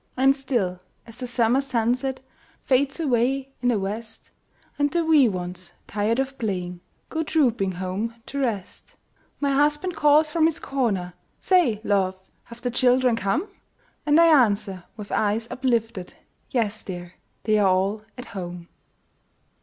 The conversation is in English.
And still, as the summer sunset Fades away in the west, And the wee ones, tired of playing, Go trooping home to rest, My husband calls from his corner, "Say, love, have the children come?" And I answer, with eyes uplifted, "Yes, dear! they are all at home."